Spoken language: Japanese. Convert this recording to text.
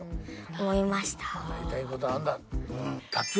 やりたいことあんだ。